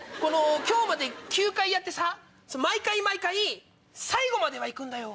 今日まで９回やってさ毎回毎回最後までは行くんだよ。